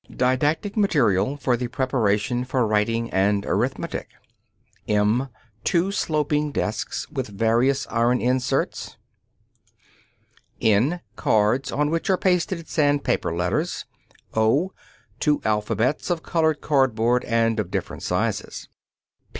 Didactic Material for the Preparation for Writing and Arithmetic (m) Two sloping desks and various iron insets. (n) Cards on which are pasted sandpaper letters. (o) Two alphabets of colored cardboard and of different sizes.